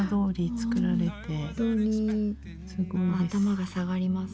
頭が下がります。